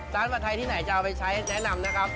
ผัดไทยที่ไหนจะเอาไปใช้แนะนำนะครับ